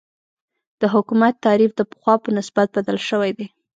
د حکومت تعریف د پخوا په نسبت بدل شوی دی.